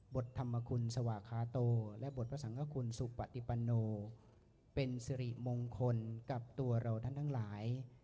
ธรรมคุณสวาคาโตและบทพระสังฆคุณสุปติปันโนเป็นสิริมงคลกับตัวเราท่านทั้งหลาย